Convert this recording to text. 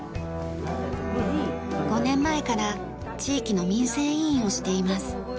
５年前から地域の民生委員をしています。